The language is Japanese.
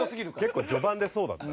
結構序盤でそうだった。